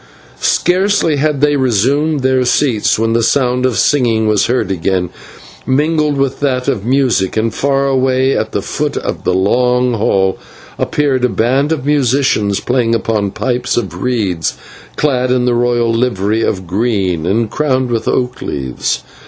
Scarcely had they resumed their seats when the sound of singing was heard again, mingled with that of music, and far away at the foot of the long hall appeared a band of musicians playing upon pipes of reeds, clad in the royal livery of green, and crowned with oak leaves.